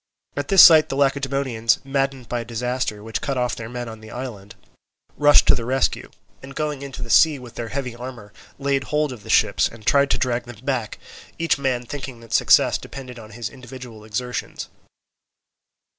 At this sight the Lacedaemonians, maddened by a disaster which cut off their men on the island, rushed to the rescue, and going into the sea with their heavy armour, laid hold of the ships and tried to drag them back, each man thinking that success depended on his individual exertions.